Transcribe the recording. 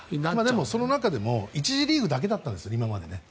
でもその中でも１次ラウンドだけだったんです今まで。